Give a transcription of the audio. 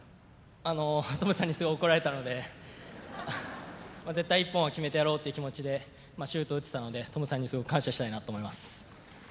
トムさんにすごい怒られたので、絶対一本は決めてやろうという気持ちでシュートを打てたので、トムさんにすごく感謝したいなと思います。